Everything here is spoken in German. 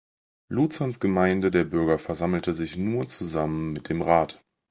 Luzerns Gemeinde der Bürger versammelte sich nur zusammen mit dem Rat.